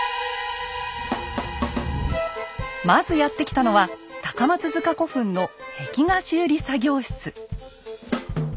まずやって来たのは高松塚古墳の壁画修理作業室。